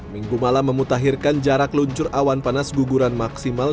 minggu malam memutahirkan jarak luncur awan panas guguran maksimal